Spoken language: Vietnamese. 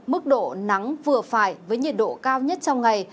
mức độ nắng vừa phải với nhiệt độ cao nhất trong ngày